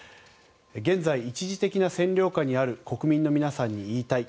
現在、一時的な占領下にある国民の皆さんに言いたい。